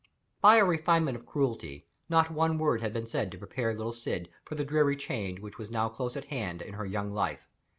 By a refinement of cruelty, not one word had been said to prepare little Syd for the dreary change that was now close at hand in her young life.